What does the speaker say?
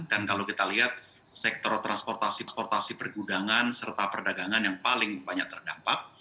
dan kalau kita lihat sektor transportasi transportasi pergudangan serta perdagangan yang paling banyak terdampak